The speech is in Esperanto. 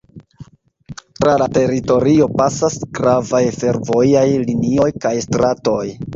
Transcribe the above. Tra la teritorio pasas gravaj fervojaj linioj kaj stratoj.